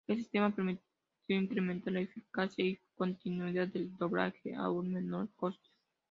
Este sistema permitió incrementar la eficacia y continuidad del doblaje a un menor coste.